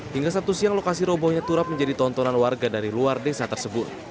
hingga satu siang lokasi robohnya turap menjadi tontonan warga dari luar desa tersebut